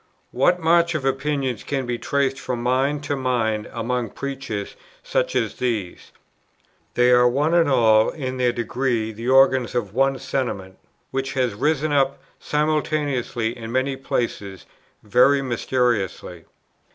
What march of opinions can be traced from mind to mind among preachers such as these? They are one and all in their degree the organs of one Sentiment, which has risen up simultaneously in many places very mysteriously."